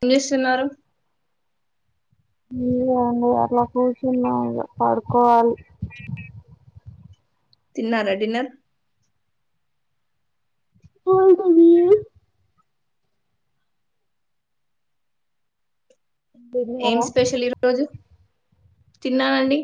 ఏం చేస్తున్నారు ఏమి లేదండి అట్ల కూర్చున్నాం ఇక పడుకోవాలి తిన్నారా డిన్నర్ [unintelligible] మీరు ఏం తిన్నారా స్పెషల్ ఈరోజు తిన్నానండి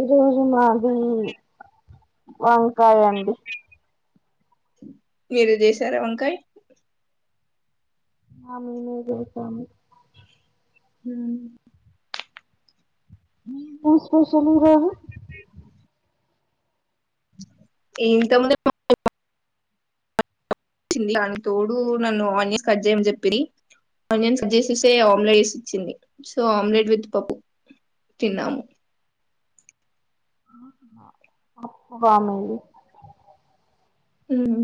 ఈ రోజు మాది వంకాయ అండి మీరు చేశారా వంకాయ్ ఆ మీమే చేసాము ఉ ఏమి స్పెషల్ యూ ఏమి ఏంట [inaudible] దాని తోడు నన్ను ఆనియన్స్ కట్ చేయమని చెప్పింది ఆనియన్స్ కట్ చేసేసే ఆమ్లెట్ వేసి ఇచ్చింది సో ఆమ్లెట్ విత్ పప్పు తిన్నాము వామిేలి హ్మ్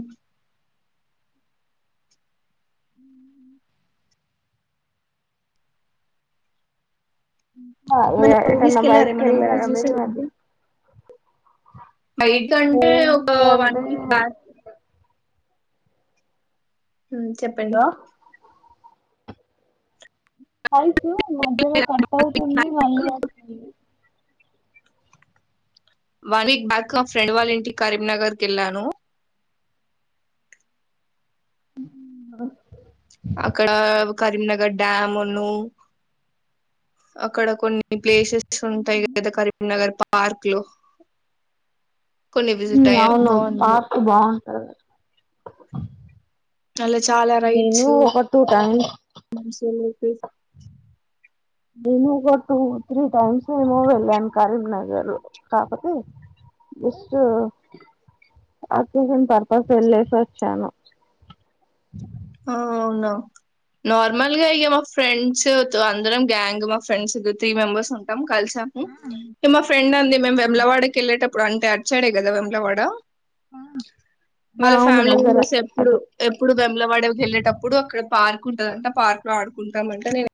మన మూవీస్ ఏటన్నా కెళ్ళారా ఏమన్నా బయటకిెళ్ళరా మూవీస్ మీరు ఈ మధ్య బైటికి కంటే ఒక ఏముంది వన్ అంటే వీక్ బాక్ హ్మ్ చెప్పండి [unintelligible] [unintelligible] మద్యలో కట్ అవుతుంది మళ్ళీ [unintelligible] తుంది వన్ వీక్ బ్యాక్ నా ఫ్రెండ్ వాళ్ళ ఇంటి కరీంనగర్కి ఎళ్ళాను హ్మ్ అక్కడ కరీంనగర్ డ్యామ్ను అక్కడ కొన్ని ప్లేసెస్ ఉంటాయి కదా కరీంనగర్ పార్క్ లో కొన్ని విజిట్ ఉమ్ అయ్యాం అవును బాగుంది పార్కు బా అ అలా చాలా రైట్స్స్ టైమ్స్ [unintelligible] నేను ఒక టూ త్రీ టైమ్స్ ఏమో వెళ్ళాను కరీంనగర్ కాకతే జస్ట్ అకేషాన్ పర్పస్ వెళ్ళసి వచ్చాను అవునా నార్మల్ గా ఇక మా ఫ్రెండ్స్ అందరం గ్యాంగ్ మా ఫ్రెండ్స్ త్రీ మెంబర్స్ ఉం [unintelligible] కలిసాము ఈ మా ఫ్రెండ్ ఉంది మేము వెమ్లవాడకి వెళ్ళేటప్పు ఇప్పుడు అంటే అచ్చాడే కదా వేములవాడా ఆ వాళ్ళ అవును ఫ్యామిలీ దగ్గర మెంబెర్స్ ఎప్పుడు అటు ఎప్పుడు బెమ్ల వాడే వెళ్ళేటప్పుడు అక్కడ పార్క్ ఉందంట ఆ పార్క్ లో ఆడుకుంటామంటే నేను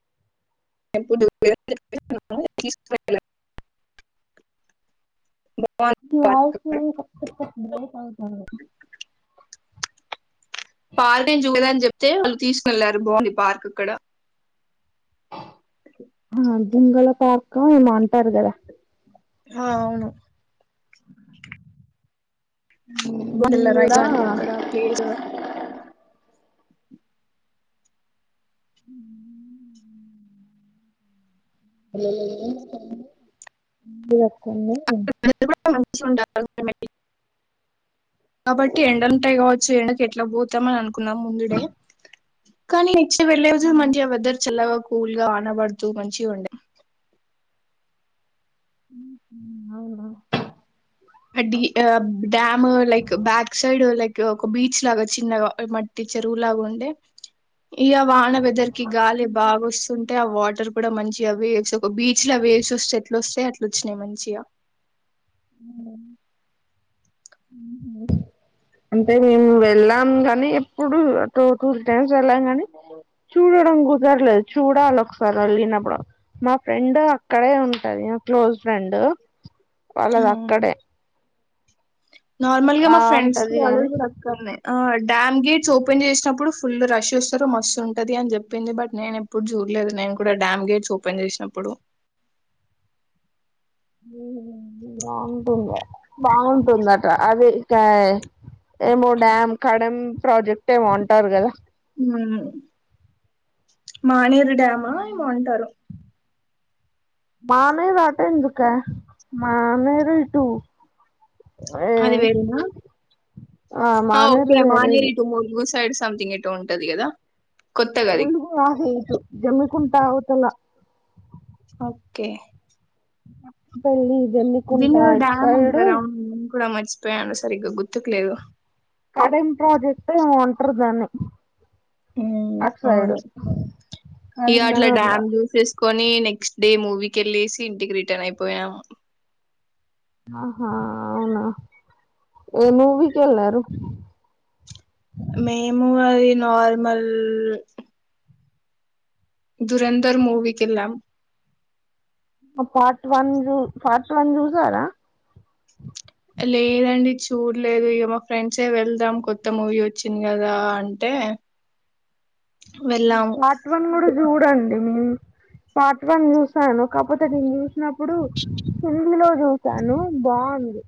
[inaudible] పార్క్ అక్కడ [unintelligible] పార్క నేను చూడలేద్ అని చెప్ తే వాళ్ళు తీసుకెళ్లారు బాగుంది పార్క్ ఇక్కడ హ్మ్ [unintelligible] పార్క్ కా ఏమో అంటారు కదా ఆ అవును నేను కూడా [inaudible] అక్కడ ప్లేస్ [unintelligible] కొన్ని అందరు మంచిగా ఉండాలి [unintelligible] కాబట్టి ఎండాల్లువుంటై కావచ్చు ఎండకు ఎట్లా పోతామని అనుకున్నాం ముందుడే కానీ చ్చ వేళలే ఉదది మంచిగా వెదర్ చల్లగా కూల్గా కనబడుతూ మంచి ఉండ అవునా అ ఆ dam like back side like ఒక బీచ్ లాగా చిన్నగా మట్టి చెరువులాగా ఉండే ఇగా వాన బద్దరికి గాలి బాగా వస్తుంటే ఆ వాటర్ కూడా మంచిగా వేవ్స్ ఒక బీచ్ వేవ్స్ వస్తే ఎట్లా వస్తాయయి అట్ల వచ్చినాయి మంచిగా అ అంటే మేము వెళ్ళాం కానీ ఎప్పుడు టూ టూ త్ర టైమ్స్ వెళ్ళాం కాని చూడడం కుదరలేదు చూడాలి ఒకసారి వెళ్ళినప్పుడు మా ఫ్రెండ్ అక్కడే ఉంటది క్లోజ్ ఫ్రెండ్ వాళ్ళదు అవును అక్కడే నార్మల్ గా ఆ మా ఫ్రెండ్స్ అంటది వాళ్ళ గాని కూడా అక్కన్నాయి డ్యామ్ గేట్స్ ఓపెన్ చేసినప్పుడు ఫుల్ రష్ వస్తారు మస్తు ఉంటుంది అని చెప్పింది బట్ నేను ఎప్పుడు చూడలేదు నేను కూడా డ్యామ్ గేట్స్ ఓపెన్ చేసినప్పుడు బాగుంటుంది బాగుంటుంద అట అది ఇకా ఏమో డమ్ కడం ప్రాజెక్ట్ ఏమ ఉంటారు కదా మానేే డ్యామా ఏమో అంటారు మానేర్ ఆటెందుకాయే మానేరు ఇటు [unintelligible] ఏ అదివేరేనా ఆ మానేరు ఓకే వేరేది మానేేరు వో సైడ్ సంథింగ్ ఎటో ఉంటది కదా కొత్తగా అది ములుగు ఆహేతు జమ కుంట అవుతల ఓకే పెళ్లి ఎన్నకుంటా అటు సైడ్ కుడా మర్చిపోయాను సరిగ్గా గుర్తుకులేదు కడం ప్రాజెక్ట్ ఎమో అన్ టర్ దాన్నే ఊ అవును ఇ అట్లా కరీంనగర్ లో డ్యామ్ జూసేస్ కొని నెక్స్ట్ డే మూవీకె ల్లేసి ఇంటికి రిటన్ అయిపోయియాము ఆహా అవునా ఏ మూవీకెళ్ళారు మేము అది నార్మల్ దురంధర్ మూవికెల్లాం పార్ట్ వన్ జూ పార్ట్ వన్ చూసారా లేదండి చూల్లేదు ఇగ మా ఫ్రెండ్సే వెళ్దాం కొత్త మూవీ వచ్చింది కదా అంటే వెళ్ళాము పార్ట్ వన్ కూడా చూడండి పార్ట్ వన్ చుసాను కాపోతే నేను చుసినప్పుడు హందిలో చుసాను బావుంది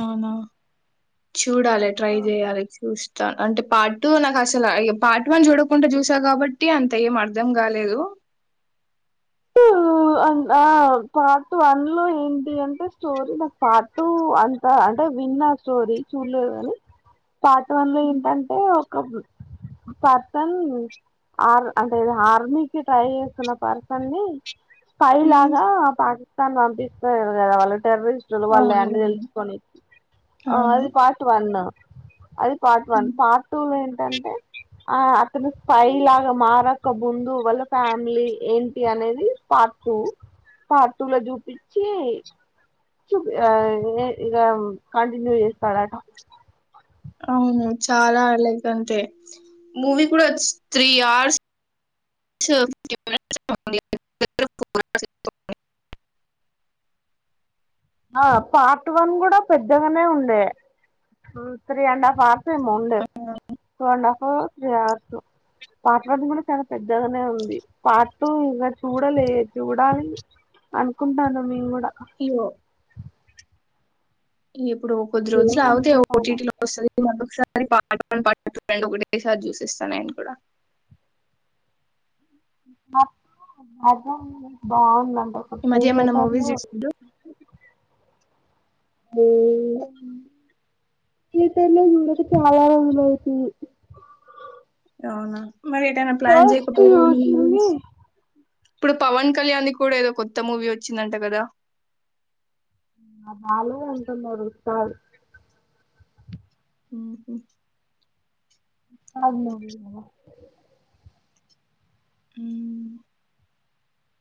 అవునా చూడాలె ట్రై జేయాలే చూస్ త అంటే పార్టూ నాకు అసల ఐ పార్ట్ వన్ చూడకుండా జూసా కాబట్టి అంత ఏం అర్థం కాలేదు ఆ పార్ట్ వన్ లో ఏంటి అంటే స్టోరీ నాకు పార్టూ అంతా అంటే విన్నా స్టోరీ చూల్లే గాని పార్ట్ వన్ లో ఏంటంటే ఓ ఒక పర్సన్ ఆర్ అంటే ఆర్మీకి ట్రై చేస్తున్న పర్సన్ ని ఉమ్, స్పైలాగా పార్ తన్ పంపిస్తది కదా వాళ్ళ టెర్రరిస్టులు వాళ్ళ అవును అన్ని తెలుసుకొని ఆ అవును అది పార్ట్ వన్ అది పార్ట్ వన్ పార్టూ టూ ఏంటంటే? ఆ అతను స్పయ్ లాగా మారక ముందు వాళ్ళ ఫ్యామిలీ ఏంటి అనేది పార్ట్ టూ పార్ట్ టూ లో జూపించి జుపి ఆ ఇగ కంటిన్యూ చేస్తారాట అవును చాలా లైక్ అంతే మూవీ కూడా త్రీ అవర్స్ [unintelligible] ఆ పార్ట్ వన్ గూడా పెద్ద న్నే ఉండే త్రీ అండ్ హాఫ్ ఉండే two and half three hours ఓ పార్ట్ వన్ కూడా చాలా పెద్దగానే ఉంది. పార్ట్ టూ ఇక చూడలే, చూడాలి అనుకుంటానం మేము కూడా [unintelligible] ఇ ఇప్పుడు కొద్ది రోజు దేవుడు ఆగితే అనుకుంటాను ఓటీటీ నాకు లో వస్తది [unintelligible] పార్ట్ వన్ పార్ట్ టూ రెండు ఒకటేసారి చూసేస్తా నేను కూడా [unintelligible] బాగున్నాం ఈ మధ్య ఏమైనా మూవీస్ [unintelligible] [unintelligible] అవున మరి ఎటైనా ప్లాన్ ఫస్ట్ చేయకుపోరు చూసింది [unintelligible] ఇప్పుడు పవన్ కళ్యాణ్ ది కూడా ఏదో కొత్త మూవీ వచ్చిందంట కదా [unintelligible] థర్డ్ హ్మ్ హ్ [unintelligible] హ్మ్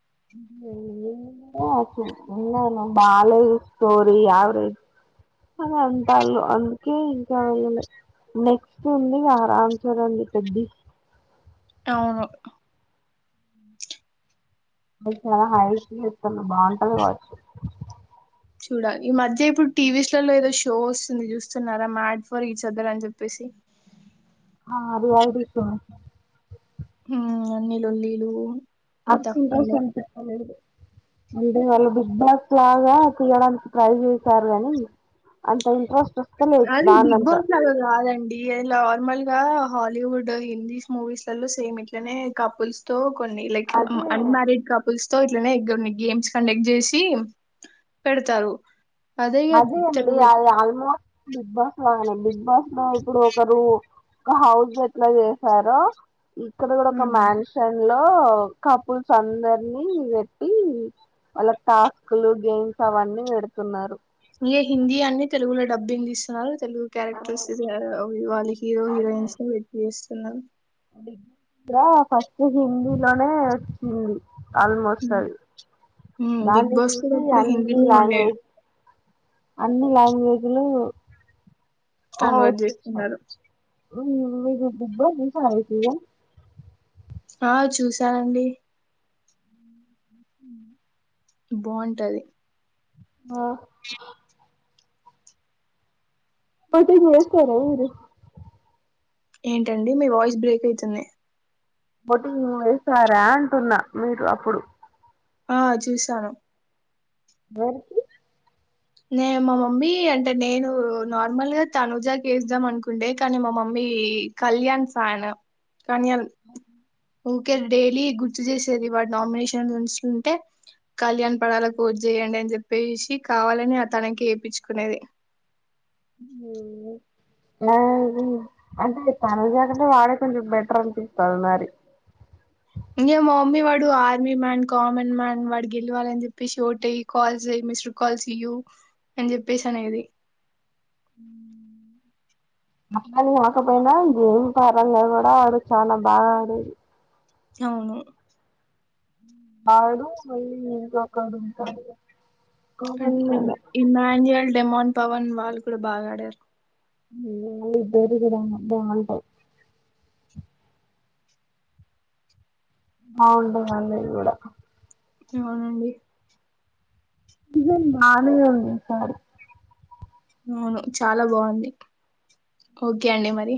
[unintelligible] బాలేదు స్టోరీ యావరేజ్ అని అంటళ అందుకే ఇంకా వెళ్ళలే నెక్స్ట్ ఉంది రామ్ చరణ్ ది పెద్ది అవును [unintelligible] బాగుంటది కావచ్చు చూడాలి. ఈ మధ్య ఇప్పుడు టీవీస్లలో ఏదో షో వస్తుంది చూస్తున్నారా మ్యాడ్ ఫోర్ ఈచ్ అద్దర్ అని చెప్పేసి. ఆ అది [unintelligible] హ్మ్ అన్ని లొల్లిలు అప్పుడు [unintelligible] వీడుగాళ్ళు బిగ్ బాస్ లాగా తీయడానికి ట్రై చేశారు గని అంత ఇంట్రెస్ట్ వస్ అది బిగ్ బాస్ లా కాదండి అది నార్మల్ గా హాలీవుడ్ హిందీస్ మూవీస్లలో సేమ్ ఇట్లనే కపుల్స్ తో కొని లైక్ అదే అన్మారిడ్ కపుల్స్ తో ఇట్లనే ఎగ్గుర్ని గేమ్స్ కండక్ట్ చేసి పెడతారు ఇగ అదే అండి తెలుగు అది ఆల్మోస్ట్ బిగ్ బస్ లాగానే బిగ్ బస్ లా ఒకరు ఒకరు అహ హౌస్ గట్ల చేసార ఇక్కడ కూడా ఒక హ్మ్. మనిషన్ లో కపుల్స్ అందరినీ పెట్టి వాళ్ళకు టాస్క్ లు గేమ్స్ అవన్నీ పెడుతున్నారు ఇగ హిందీ అన్ని తెలుగులో డబ్బింగ్ తీస్తున్నారు తెలుగు క్యారెక్టర్స్ ఇస్ ఆరో వాళ్ళు హీరో హీరోయిన్స్ పెట్టి చేస్ తిన్నరు డిగ్రీ [unintelligible] ఫస్ట్ హిందీ లోనే వచ్చింది ఆల్మోస్ట్ హ్మ్. అది హ్మ్. 'బిగ్ దాన్ని బాస్' కూడా చూసి ఇప్పుడు అన్ని హిందీలో ఉండే లాంగ్వేజ్ అన్ని లాంగ్వేజ్లు కన్వర్ట్ చేస్తున్నారు మరి నువ్వే చెప్పుద్దె ఇంకా ఐతదా ఆ చూసానండి బాగుంటది ఆ మసీదు వేసుకోరా మీరు ఏంటండి మీ వాయిస్ బ్రేక్ అయితుంది బొటింగ్ వేసారా అంటున్నా మీరు అప్పుడు ఆ చూసాను దొరికి నే మా మమ్మీ అంటే నేను నార్మల్గా తనుజా వేద్దాం అనుకుంటే కానీ మా మమ్మీ కళ్యాణ్ ఫాను కానీ ఎల్ ఊకే డేలీ గు గుర్తు చేసేది వాడు నామినేషన్ ఉంచ్ ఉంటే కళ్యాణ్ పడాల ఓటు చేయండి అని చెప్పేసి కావాల అని అతనికి ఏపించుకునేది ఊ ఆది అంటే తన కాకంటే వాడే కొంచెం బెటర్ అనిపిస్తడు మరి ఇంకే మా మమ్మీ వాడు ఆర్మీ మ్యాన్ కామన్ మ్యాన్ వాడి గెలవాల అని చెప్పి షోట్ అయ్యి కాల్స్ అయ్యి మిస్డ్ కాల్స్ ఇయూ అని చెప్పేసి అనేది నెమ్మర్ కాకపోయినా గేమ్ పరంగా కూడా ఆడు చాలా బాగా ఆడేది అవును వాడు మళ్ళి ఇంకొకడు ఉంటాడు ఎక్కువ అ మంది ఇ ఉన్నారు ఇమాన్యువల్ డేమోన్ పవన్ వాళ్ళు కూడా బాగా ఆడారు [unintelligible] బాగుంటాయి అవుడు అందది కూడా అవునండి ఇద మ [unintelligible] ఉంటాడు అవును చాలా బాగుంది ఓకే అండి మరి